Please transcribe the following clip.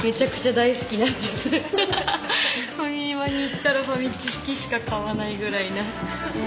ファミマに行ったらファミチキしか買わないぐらいな。